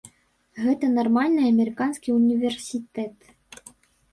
Гэта нармальны амерыканскі універсітэт.